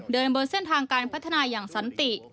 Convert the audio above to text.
บนเส้นทางการพัฒนาอย่างสันติ